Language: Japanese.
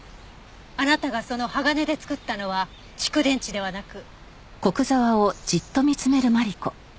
あなたがその鋼で作ったのは蓄電池ではなく。